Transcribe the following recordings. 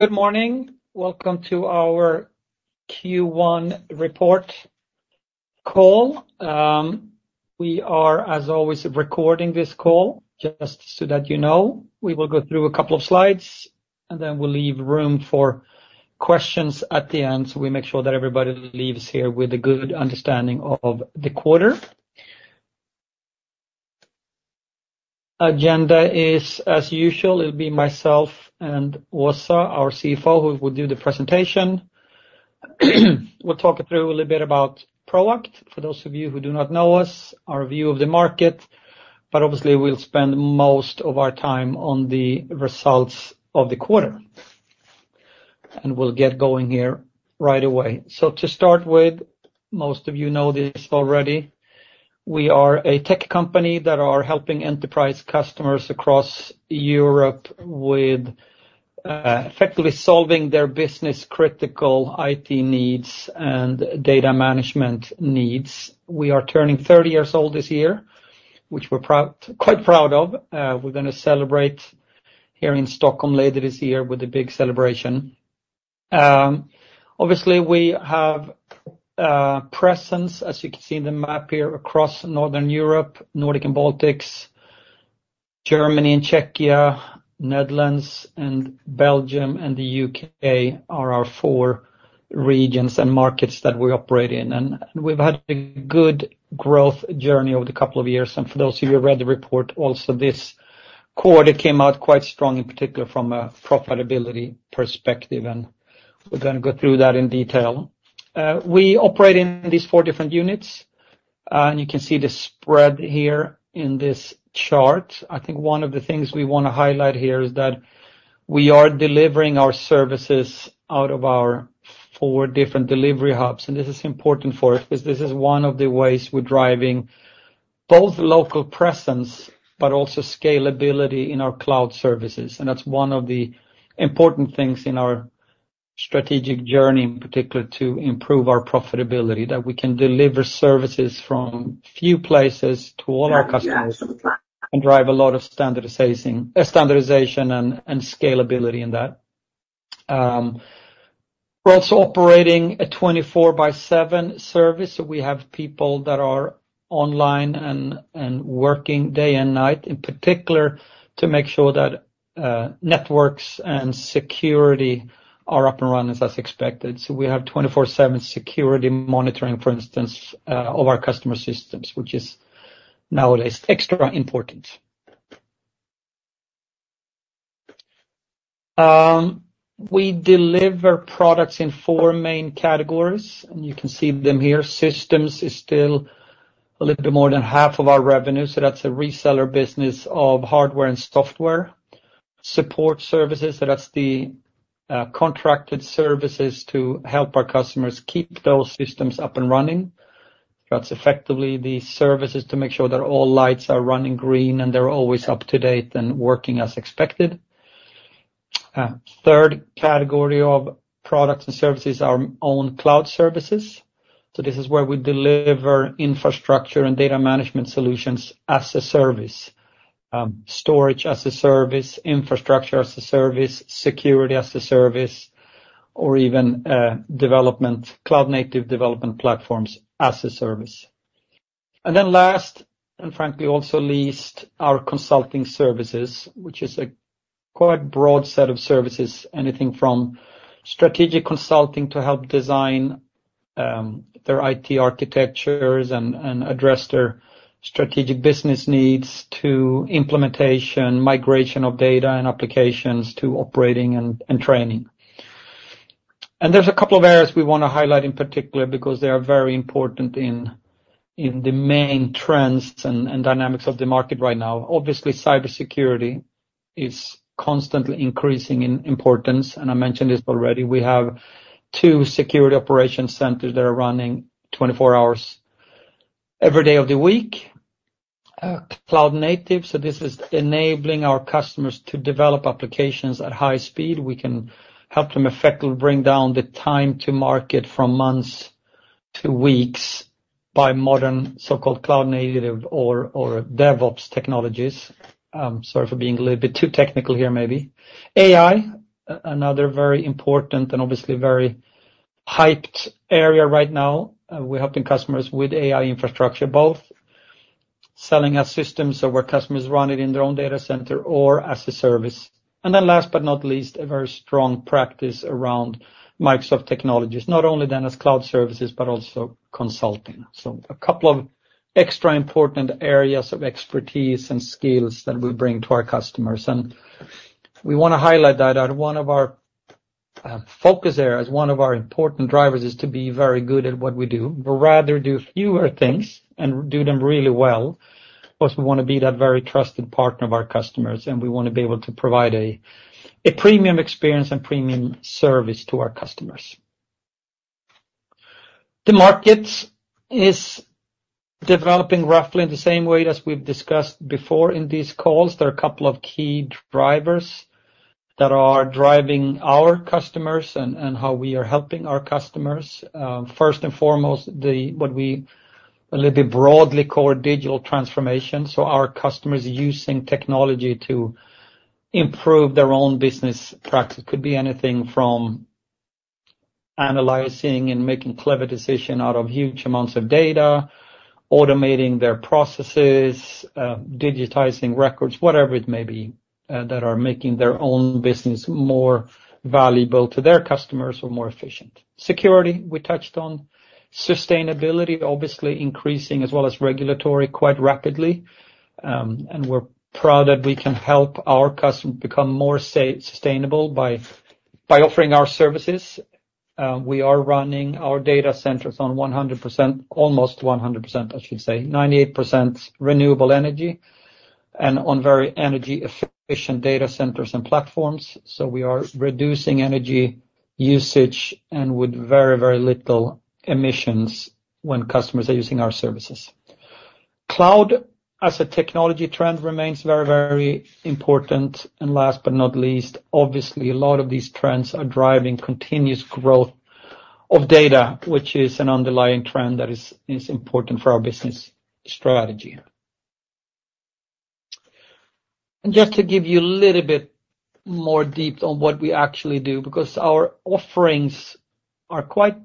Good morning. Welcome to our Q1 report call. We are, as always, recording this call, just so that you know. We will go through a couple of slides, and then we'll leave room for questions at the end, so we make sure that everybody leaves here with a good understanding of the quarter. Agenda is, as usual, it'll be myself and Åsa, our CFO, who will do the presentation. We'll talk you through a little bit about Proact, for those of you who do not know us, our view of the market, but obviously, we'll spend most of our time on the results of the quarter. And we'll get going here right away. So to start with, most of you know this already, we are a tech company that are helping enterprise customers across Europe with, effectively solving their business-critical IT needs and data management needs. We are turning 30 years old this year, which we're proud, quite proud of. We're gonna celebrate here in Stockholm later this year with a big celebration. Obviously, we have presence, as you can see in the map here, across Northern Europe, Nordic and Baltics, Germany and Czechia, Netherlands, and Belgium, and the U.K. are our four regions and markets that we operate in. We've had a good growth journey over the couple of years. For those of you who read the report, also this quarter came out quite strong, in particular from a profitability perspective, and we're gonna go through that in detail. We operate in these four different units, and you can see the spread here in this chart. I think one of the things we wanna highlight here is that we are delivering our services out of our four different delivery hubs, and this is important for us because this is one of the ways we're driving both local presence, but also scalability in our cloud services. That's one of the important things in our strategic journey, in particular, to improve our profitability, that we can deliver services from few places to all our customers and drive a lot of standardization and scalability in that. We're also operating a 24/7 service. We have people that are online and working day and night, in particular, to make sure that networks and security are up and running as expected. We have 24/7 security monitoring, for instance, of our customer systems, which is nowadays extra important. We deliver products in four main categories, and you can see them here. Systems is still a little bit more than half of our revenue, so that's a reseller business of hardware and software. Support services, so that's the contracted services to help our customers keep those systems up and running. That's effectively the services to make sure that all lights are running green and they're always up to date and working as expected. Third category of products and services, our own cloud services. So this is where we deliver infrastructure and data management solutions as a service. Storage as a service, infrastructure as a service, security as a service, or even development, cloud-native development platforms as a service. And then last, and frankly, also least, our consulting services, which is a quite broad set of services, anything from strategic consulting to help design their IT architectures and address their strategic business needs to implementation, migration of data and applications, to operating and training. There's a couple of areas we wanna highlight in particular because they are very important in the main trends and dynamics of the market right now. Obviously, cybersecurity is constantly increasing in importance, and I mentioned this already. We have two security operation centers that are running 24 hours every day of the week. Cloud native, so this is enabling our customers to develop applications at high speed. We can help them effectively bring down the time to market from months to weeks by modern, so-called cloud native or DevOps technologies. Sorry for being a little bit too technical here, maybe. AI, another very important and obviously very hyped area right now. We're helping customers with AI infrastructure, both selling as systems or where customers run it in their own data center or as a service. And then last but not least, a very strong practice around Microsoft technologies, not only then as cloud services, but also consulting. So a couple of extra important areas of expertise and skills that we bring to our customers. And we wanna highlight that at one of our focus areas, one of our important drivers is to be very good at what we do. We'd rather do fewer things and do them really well, because we wanna be that very trusted partner of our customers, and we wanna be able to provide a premium experience and premium service to our customers. The market is developing roughly in the same way as we've discussed before in these calls. There are a couple of key drivers that are driving our customers and how we are helping our customers. First and foremost, a little bit broadly called digital transformation, so our customers are using technology to improve their own business practice. Could be anything from analyzing and making clever decisions out of huge amounts of data, automating their processes, digitizing records, whatever it may be, that are making their own business more valuable to their customers or more efficient. Security, we touched on. Sustainability, obviously increasing as well as regulatory, quite rapidly. And we're proud that we can help our customers become more safe sustainable by offering our services. We are running our data centers on 100%, almost 100%, I should say, 98% renewable energy, and on very energy efficient data centers and platforms. So we are reducing energy usage and with very, very little emissions when customers are using our services. Cloud as a technology trend remains very, very important. And last but not least, obviously, a lot of these trends are driving continuous growth of data, which is an underlying trend that is important for our business strategy. Just to give you a little bit more deep on what we actually do, because our offerings are quite,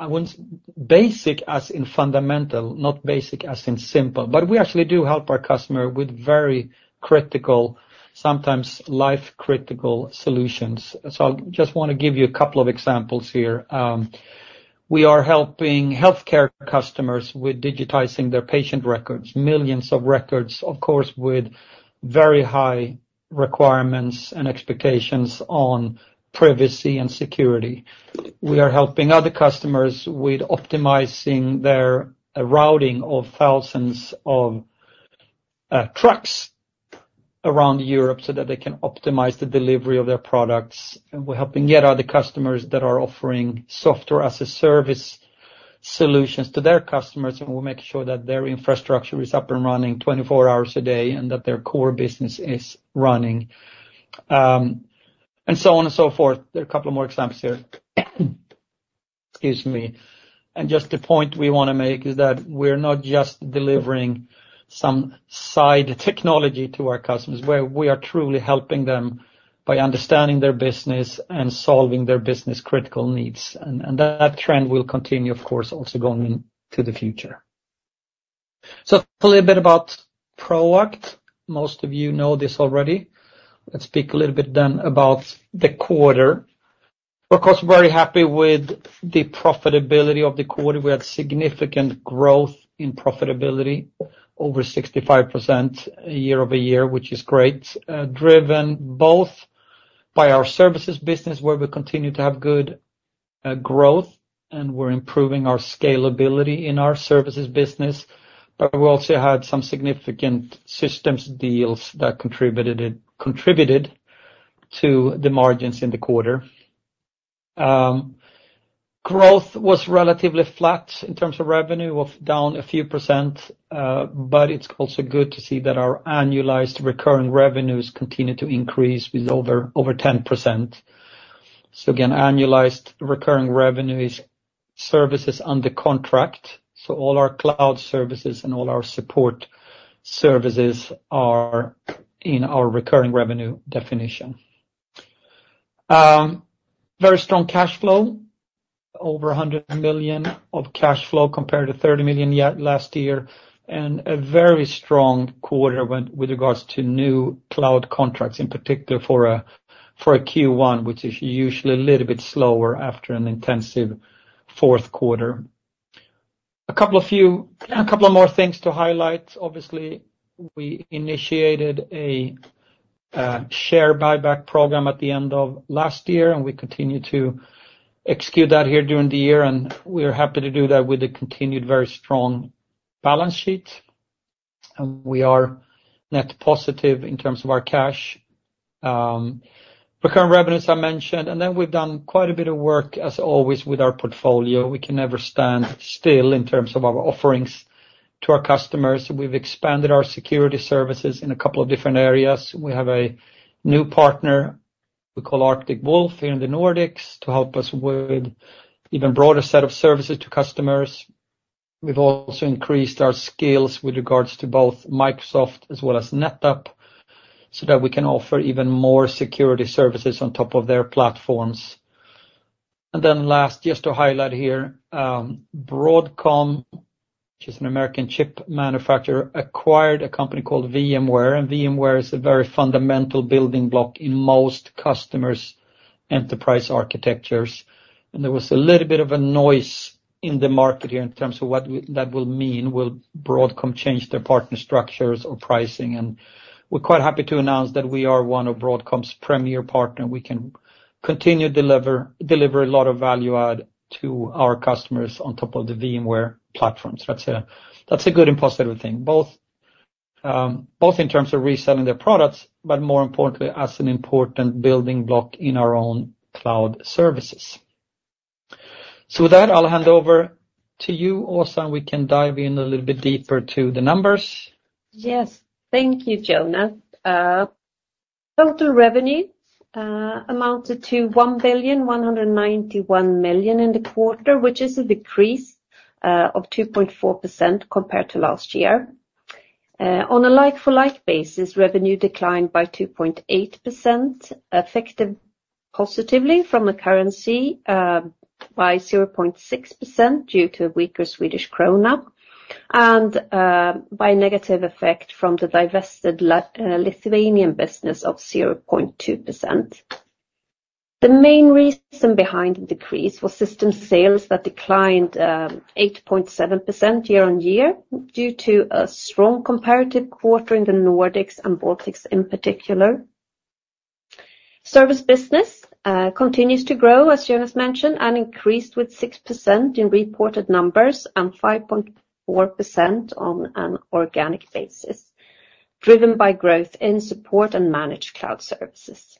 I wouldn't—basic as in fundamental, not basic as in simple, but we actually do help our customer with very critical, sometimes life critical solutions. I just wanna give you a couple of examples here. We are helping healthcare customers with digitizing their patient records, millions of records, of course, with very high requirements and expectations on privacy and security. We are helping other customers with optimizing their routing of thousands of trucks around Europe so that they can optimize the delivery of their products. We're helping yet other customers that are offering software as a service solutions to their customers, and we make sure that their infrastructure is up and running 24 hours a day and that their core business is running. And so on and so forth. There are a couple of more examples here. Excuse me. And just the point we wanna make is that we're not just delivering some side technology to our customers, where we are truly helping them by understanding their business and solving their business critical needs. And that trend will continue, of course, also going into the future. So a little bit about Proact. Most of you know this already. Let's speak a little bit then about the quarter. Of course, we're very happy with the profitability of the quarter. We had significant growth in profitability, over 65% year-over-year, which is great, driven both by our services business, where we continue to have good growth, and we're improving our scalability in our services business, but we also had some significant systems deals that contributed to the margins in the quarter. Growth was relatively flat in terms of revenue, of down a few %, but it's also good to see that our annualized recurring revenues continue to increase with over 10%. So again, annualized recurring revenue is services under contract. So all our cloud services and all our support services are in our recurring revenue definition. Very strong cash flow, over 100 million cash flow compared to 30 million, yeah, last year, and a very strong quarter with regards to new cloud contracts, in particular for a Q1, which is usually a little bit slower after an intensive fourth quarter. A couple of more things to highlight. Obviously, we initiated a share buyback program at the end of last year, and we continue to execute that here during the year, and we are happy to do that with a continued very strong balance sheet. And we are net positive in terms of our cash. Recurrent revenues, I mentioned, and then we've done quite a bit of work, as always, with our portfolio. We can never stand still in terms of our offerings to our customers. We've expanded our security services in a couple of different areas. We have a new partner we call Arctic Wolf here in the Nordics, to help us with even broader set of services to customers. We've also increased our skills with regards to both Microsoft as well as NetApp, so that we can offer even more security services on top of their platforms. And then last, just to highlight here, Broadcom, which is an American chip manufacturer, acquired a company called VMware, and VMware is a very fundamental building block in most customers' enterprise architectures. And there was a little bit of a noise in the market here in terms of what that will mean, will Broadcom change their partner structures or pricing? And we're quite happy to announce that we are one of Broadcom's premier partner. We can continue deliver a lot of value add to our customers on top of the VMware platforms. That's a good and positive thing, both in terms of reselling their products, but more importantly, as an important building block in our own cloud services. So with that, I'll hand over to you, Åsa, and we can dive in a little bit deeper to the numbers. Yes. Thank you, Jonas. Total revenue amounted to 1,191 million in the quarter, which is a decrease of 2.4% compared to last year. On a like-for-like basis, revenue declined by 2.8%, affected positively from the currency by 0.6% due to weaker Swedish krona, and by negative effect from the divested Lithuanian business of 0.2%. The main reason behind the decrease was system sales that declined 8.7% year-on-year, due to a strong comparative quarter in the Nordics and Baltics in particular. Service business continues to grow, as Jonas mentioned, and increased with 6% in reported numbers and 5.4% on an organic basis, driven by growth in support and managed cloud services.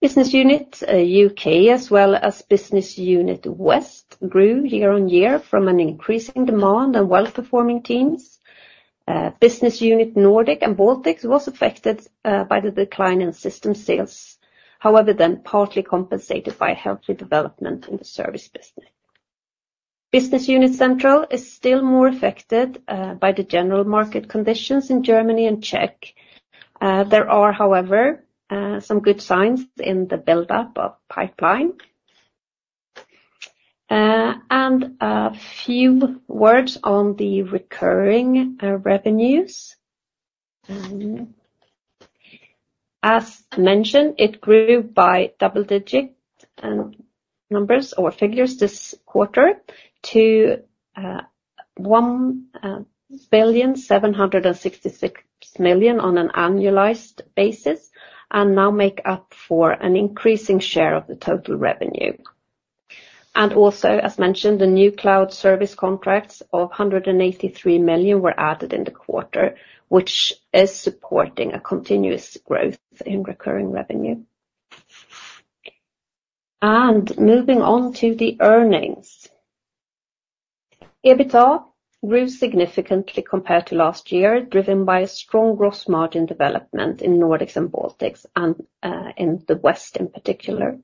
Business Unit UK, as well as Business Unit West, grew year-on-year from an increasing demand and well-performing teams. Business Unit Nordic and Baltics was affected by the decline in system sales. However, then partly compensated by healthy development in the service business. Business Unit Central is still more affected by the general market conditions in Germany and Czech. There are, however, some good signs in the build-up of pipeline. And a few words on the recurring revenues. As mentioned, it grew by double-digit numbers or figures this quarter to 1,766 million on an annualized basis, and now make up for an increasing share of the total revenue. Also, as mentioned, the new cloud service contracts of 183 million were added in the quarter, which is supporting a continuous growth in recurring revenue. Moving on to the earnings. EBITDA grew significantly compared to last year, driven by a strong gross margin development in Nordics and Baltics and in the West in particular.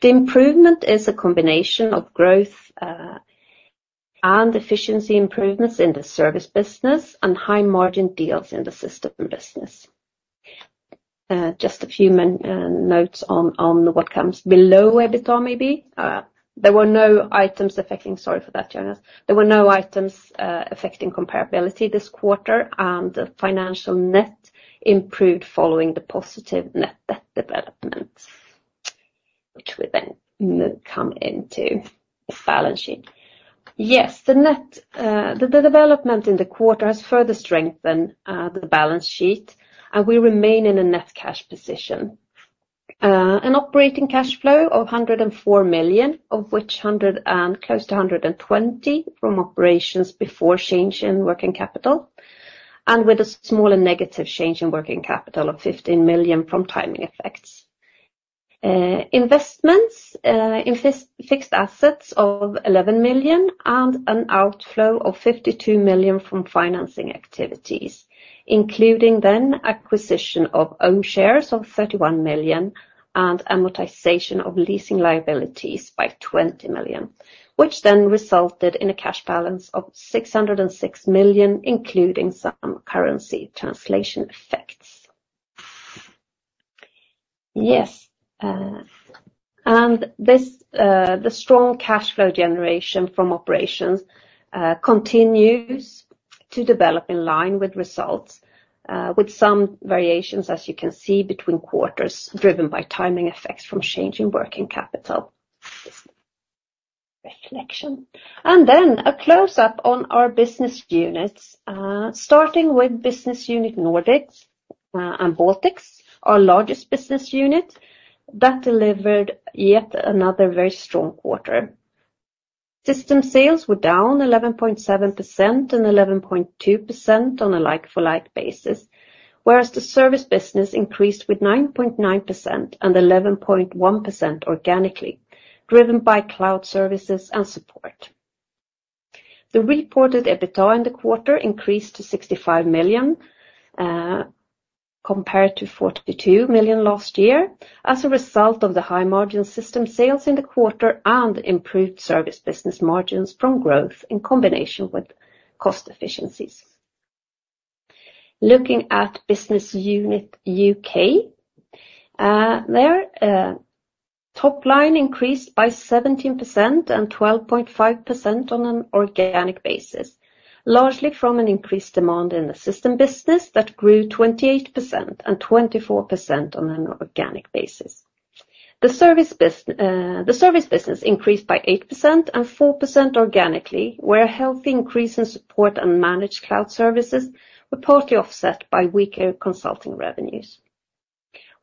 The improvement is a combination of growth and efficiency improvements in the service business and high-margin deals in the system business. Just a few notes on what comes below EBITDA, maybe. There were no items affecting—sorry for that, Jonas. There were no items affecting comparability this quarter, and the financial net improved following the positive net debt developments, which we then come into the balance sheet. Yes, the net, the development in the quarter has further strengthened the balance sheet, and we remain in a net cash position. An operating cash flow of 104 million, of which 100 and close to 120 from operations before change in working capital, and with a small and negative change in working capital of 15 million from timing effects. Investments in fixed assets of 11 million and an outflow of 52 million from financing activities, including the acquisition of own shares of 31 million and amortization of leasing liabilities by 20 million, which then resulted in a cash balance of 606 million, including some currency translation effects. Yes, and this, the strong cash flow generation from operations, continues to develop in line with results, with some variations, as you can see, between quarters, driven by timing effects from changing working capital. And then a close-up on our business units, starting with Business Unit Nordics and Baltics, our largest business unit, that delivered yet another very strong quarter. System sales were down 11.7% and 11.2% on a like-for-like basis, whereas the service business increased with 9.9% and 11.1% organically, driven by cloud services and support. The reported EBITDA in the quarter increased to 65 million, compared to 42 million last year, as a result of the high-margin system sales in the quarter and improved service business margins from growth in combination with cost efficiencies. Looking at Business Unit UK, their top line increased by 17% and 12.5% on an organic basis, largely from an increased demand in the system business that grew 28% and 24% on an organic basis. The service business increased by 8% and 4% organically, where a healthy increase in support and managed cloud services were partly offset by weaker consulting revenues.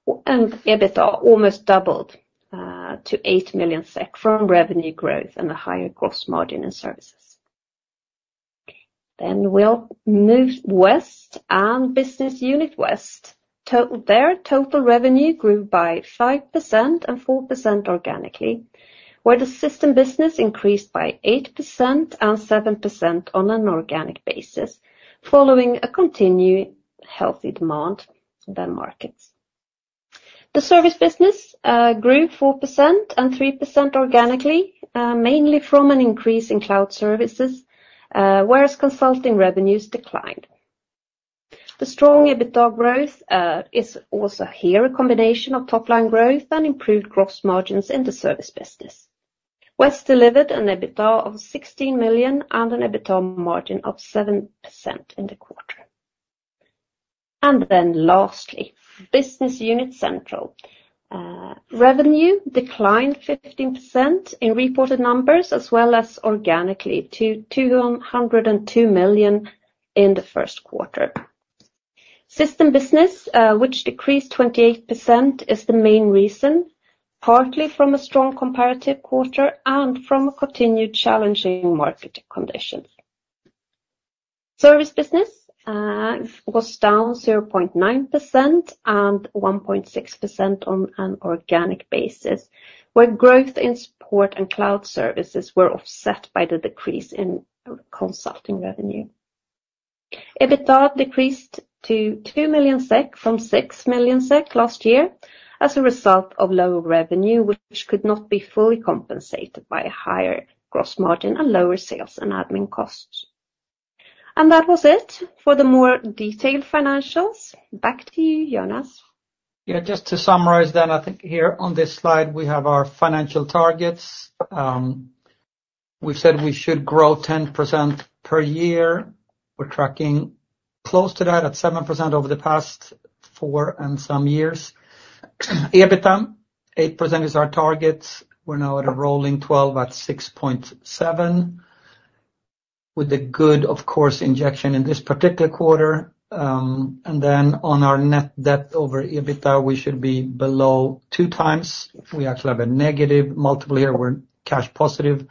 EBITDA almost doubled to 8 million SEK from revenue growth and a higher gross margin in services. We'll move west and Business Unit West. Their total revenue grew by 5% and 4% organically, where the system business increased by 8% and 7% on an organic basis, following a continued healthy demand in the markets.... The service business grew 4% and 3% organically, mainly from an increase in cloud services, whereas consulting revenues declined. The strong EBITDA growth is also here a combination of top line growth and improved gross margins in the service business, where it's delivered an EBITDA of 16 million and an EBITDA margin of 7% in the quarter. Then lastly, business unit Central. Revenue declined 15% in reported numbers, as well as organically to 202 million in the first quarter. System business, which decreased 28%, is the main reason, partly from a strong comparative quarter and from continued challenging market conditions. Service business was down 0.9% and 1.6% on an organic basis, where growth in support and cloud services were offset by the decrease in consulting revenue. EBITDA decreased to 2 million SEK from 6 million SEK last year as a result of lower revenue, which could not be fully compensated by a higher gross margin and lower sales and admin costs. That was it for the more detailed financials. Back to you, Jonas. Yeah, just to summarize, then, I think here on this slide, we have our financial targets. We said we should grow 10% per year. We're tracking close to that, at 7% over the past four and some years. EBITDA, 8% is our target. We're now at a rolling twelve at 6.7, with a good, of course, injection in this particular quarter. And then on our net debt over EBITDA, we should be below 2x. We actually have a negative multiple here. We're cash positive,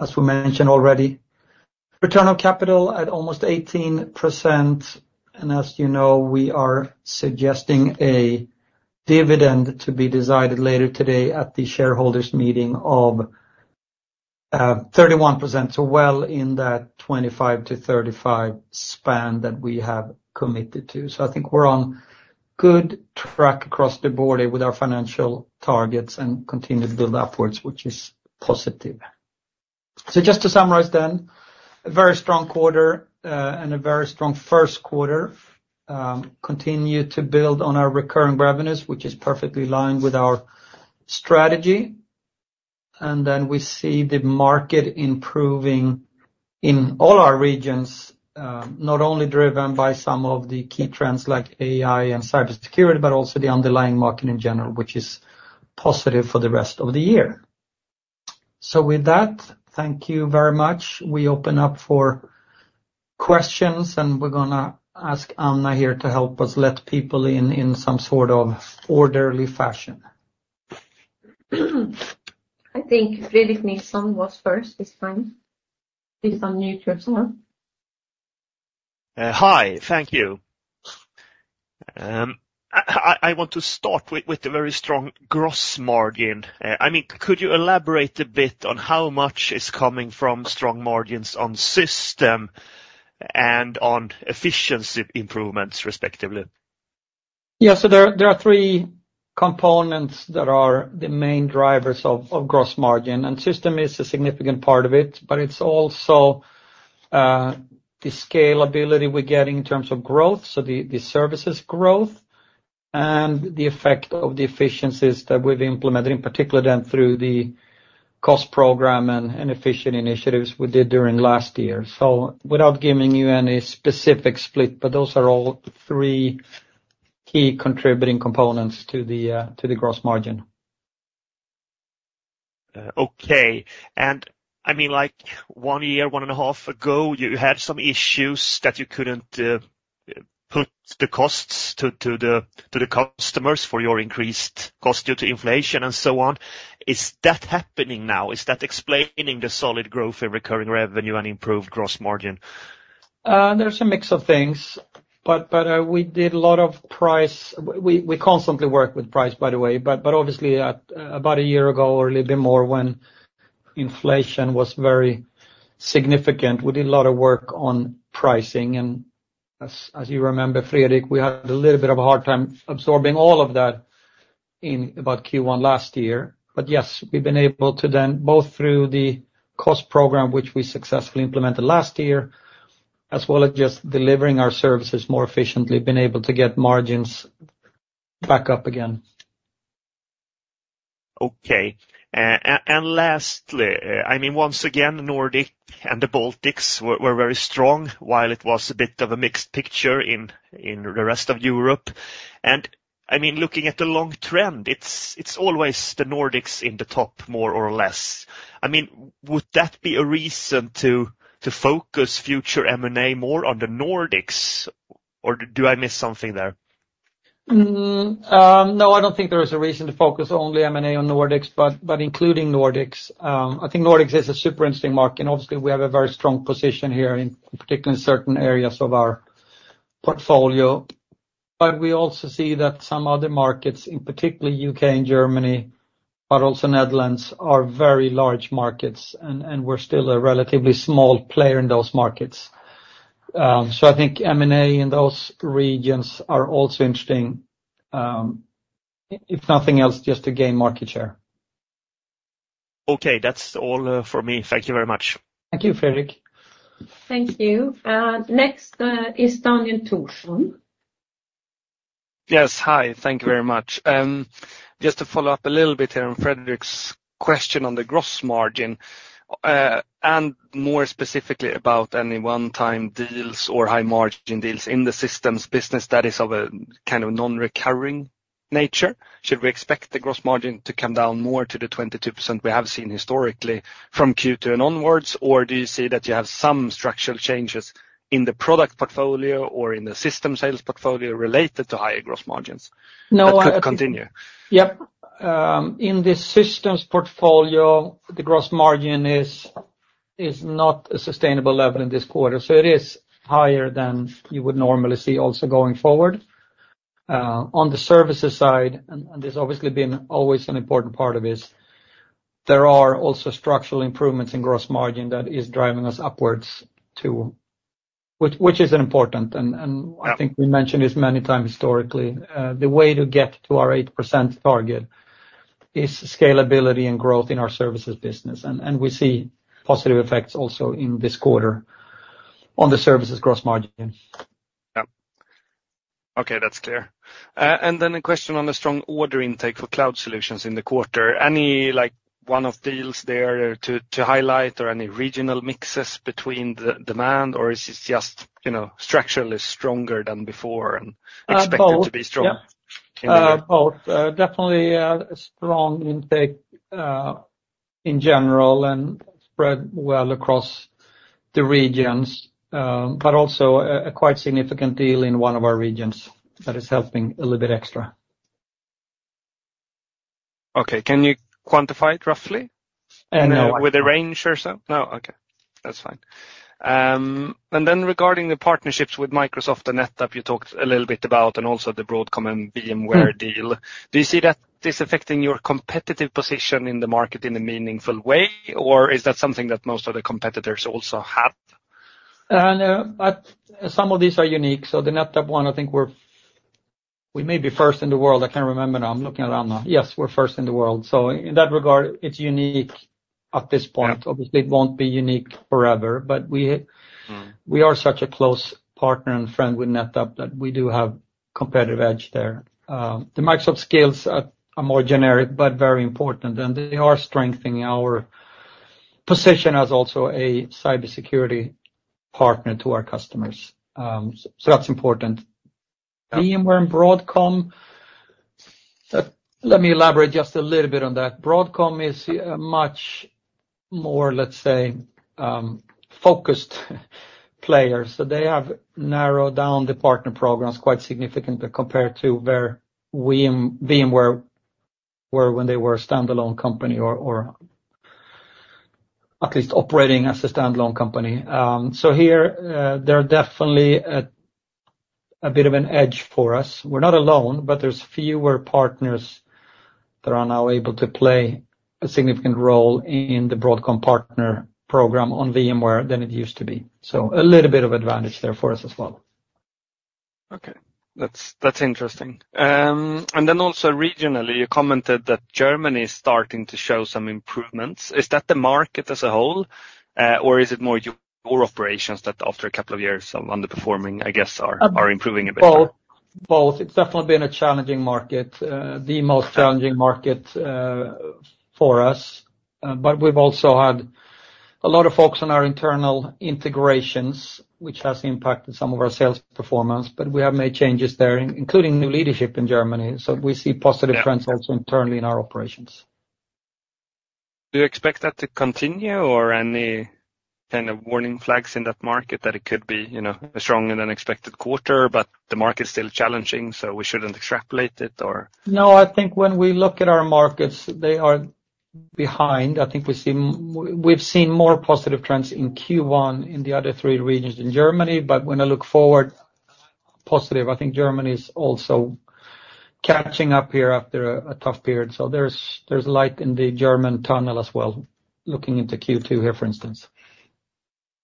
as we mentioned already. Return on capital at almost 18%, and as you know, we are suggesting a dividend to be decided later today at the shareholders meeting of 31%. So well in that 25%-35% span that we have committed to. So I think we're on good track across the board with our financial targets and continue to build upwards, which is positive. So just to summarize, then, a very strong quarter, and a very strong first quarter. Continue to build on our recurring revenues, which is perfectly in line with our strategy. And then we see the market improving in all our regions, not only driven by some of the key trends like AI and cybersecurity, but also the underlying market in general, which is positive for the rest of the year. So with that, thank you very much. We open up for questions, and we're gonna ask Anna here to help us let people in, in some sort of orderly fashion. I think Fredrik Nilsson was first this time. He's on mute as well. Hi. Thank you. I want to start with the very strong gross margin. I mean, could you elaborate a bit on how much is coming from strong margins on system and on efficiency improvements, respectively? Yeah, so there are three components that are the main drivers of gross margin, and system is a significant part of it, but it's also the scalability we're getting in terms of growth, so the services growth and the effect of the efficiencies that we've implemented, in particular, then through the cost program and efficient initiatives we did during last year. So without giving you any specific split, but those are all three key contributing components to the gross margin. Okay. And I mean, like, 1 year, 1.5 years ago, you had some issues that you couldn't put the costs to the customers for your increased cost due to inflation and so on. Is that happening now? Is that explaining the solid growth in recurring revenue and improved gross margin? There's a mix of things, but, but, we did a lot of price. We, we constantly work with price, by the way, but, but obviously at about a year ago or a little bit more when inflation was very significant, we did a lot of work on pricing. And as you remember, Fredrik, we had a little bit of a hard time absorbing all of that in about Q1 last year. But yes, we've been able to then, both through the cost program, which we successfully implemented last year, as well as just delivering our services more efficiently, been able to get margins back up again. Okay. And lastly, I mean, once again, Nordics and the Baltics were very strong, while it was a bit of a mixed picture in the rest of Europe. And I mean, looking at the long trend, it's always the Nordics in the top, more or less. I mean, would that be a reason to focus future M&A more on the Nordics, or did I miss something there? No, I don't think there is a reason to focus only M&A on Nordics, but including Nordics. I think Nordics is a super interesting market, and obviously, we have a very strong position here, in particular in certain areas of our portfolio. But we also see that some other markets, in particular UK and Germany, but also Netherlands are very large markets, and we're still a relatively small player in those markets. So I think M&A in those regions are also interesting, if nothing else, just to gain market share. Okay, that's all, for me. Thank you very much. Thank you, Fredrik. Thank you. Next, is Daniel Thorsson. Yes. Hi, thank you very much. Just to follow up a little bit here on Fredrik's question on the gross margin, and more specifically, about any one-time deals or high margin deals in the systems business that is of a kind of non-recurring nature. Should we expect the gross margin to come down more to the 22% we have seen historically from Q2 and onwards? Or do you see that you have some structural changes in the product portfolio or in the system sales portfolio related to higher gross margins- No, I- that could continue? Yep. In the systems portfolio, the gross margin is not a sustainable level in this quarter, so it is higher than you would normally see also going forward. On the services side, and this obviously been always an important part of this, there are also structural improvements in gross margin that is driving us upwards to... Which is important, and Yeah... I think we mentioned this many times historically. The way to get to our 8% target is scalability and growth in our services business, and, and we see positive effects also in this quarter on the services gross margin. Yeah. Okay, that's clear. And then a question on the strong order intake for cloud solutions in the quarter. Any, like, one-off deals there to highlight or any regional mixes between the demand, or is this just, you know, structurally stronger than before and- Uh, both expected to be strong? Yeah. Okay. Both. Definitely, a strong intake in general and spread well across the regions, but also a quite significant deal in one of our regions that is helping a little bit extra. Okay, can you quantify it roughly? Uh, no. With a range or so? No? Okay. That's fine. Then regarding the partnerships with Microsoft and NetApp, you talked a little bit about, and also the Broadcom and VMware deal. Do you see that this affecting your competitive position in the market in a meaningful way, or is that something that most of the competitors also have? No, but some of these are unique. So the NetApp one, I think we may be first in the world. I can't remember now. I'm looking at Anna. Yes, we're first in the world. So in that regard, it's unique at this point. Yeah. Obviously, it won't be unique forever, but we- Mm. We are such a close partner and friend with NetApp that we do have competitive edge there. The Microsoft sales are more generic, but very important, and they are strengthening our position as also a cybersecurity partner to our customers. So that's important. Yeah. VMware and Broadcom, let me elaborate just a little bit on that. Broadcom is a much more, let's say, focused player, so they have narrowed down the partner programs quite significantly compared to where we, VMware were when they were a standalone company or at least operating as a standalone company. So here, there are definitely a bit of an edge for us. We're not alone, but there's fewer partners that are now able to play a significant role in the Broadcom partner program on VMware than it used to be. So a little bit of advantage there for us as well. Okay. That's, that's interesting. And then also regionally, you commented that Germany is starting to show some improvements. Is that the market as a whole, or is it more your operations that after a couple of years of underperforming, I guess, are- Um- Are improving a bit? Both. Both. It's definitely been a challenging market, the most challenging market, for us. But we've also had a lot of focus on our internal integrations, which has impacted some of our sales performance, but we have made changes there, including new leadership in Germany. So we see positive- Yeah... trends also internally in our operations. Do you expect that to continue or any kind of warning flags in that market that it could be, you know, a stronger than expected quarter, but the market is still challenging, so we shouldn't extrapolate it or? No, I think when we look at our markets, they are behind. I think we've seen... We've seen more positive trends in Q1 in the other three regions in Germany. But when I look forward, positive, I think Germany is also catching up here after a tough period. So there's light in the German tunnel as well, looking into Q2 here,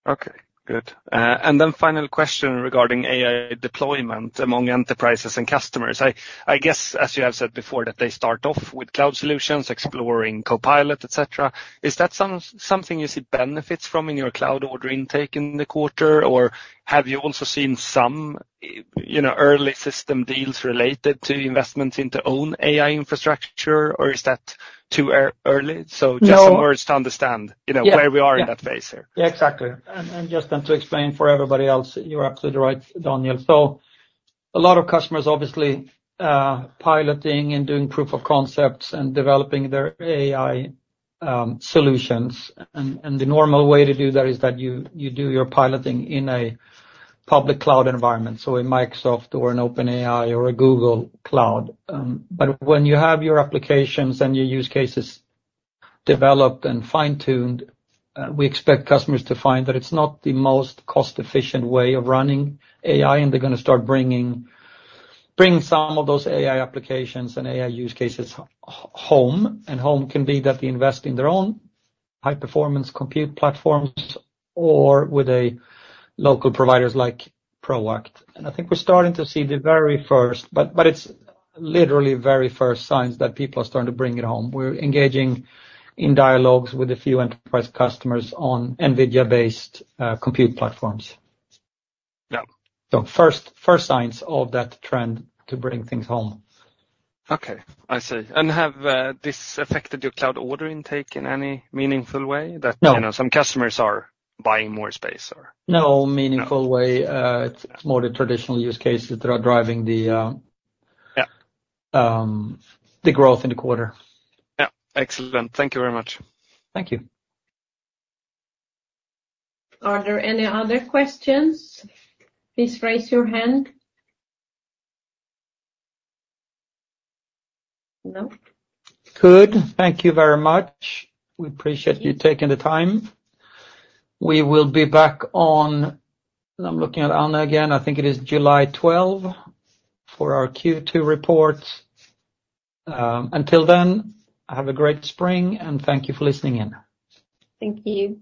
for instance. Okay, good. And then final question regarding AI deployment among enterprises and customers. I guess, as you have said before, that they start off with cloud solutions, exploring Copilot, et cetera. Is that something you see benefits from in your cloud order intake in the quarter, or have you also seen some, you know, early system deals related to investments into own AI infrastructure, or is that too early? No. So just some words to understand, you know… Yeah... where we are in that phase here. Yeah, exactly. And just then to explain for everybody else, you're absolutely right, Daniel. So a lot of customers obviously piloting and doing proof of concepts and developing their AI solutions. And the normal way to do that is that you do your piloting in a public cloud environment, so a Microsoft or an OpenAI or a Google Cloud. But when you have your applications and your use cases developed and fine-tuned, we expect customers to find that it's not the most cost-efficient way of running AI, and they're gonna start bringing some of those AI applications and AI use cases home. And home can be that they invest in their own high-performance compute platforms or with a local providers like Proact. I think we're starting to see the very first, but it's literally very first signs that people are starting to bring it home. We're engaging in dialogues with a few enterprise customers on NVIDIA-based compute platforms. Yeah. First signs of that trend to bring things home. Okay, I see. And have this affected your cloud order intake in any meaningful way? No. That, you know, some customers are buying more space or? No meaningful way. No. It's more the traditional use cases that are driving the, Yeah... the growth in the quarter. Yeah. Excellent. Thank you very much. Thank you. Are there any other questions? Please raise your hand. No. Good. Thank you very much. We appreciate you taking the time. We will be back on... I'm looking at Anna again, I think it is July 12, for our Q2 report. Until then, have a great spring, and thank you for listening in. Thank you.